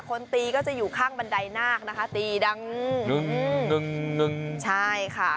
คนตีก็จะอยู่ข้างบันไดนาคนะคะตีดังหนึ่งใช่ค่ะ